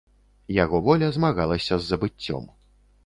Яго воля змагалася з забыццём.